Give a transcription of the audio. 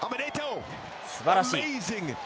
すばらしい。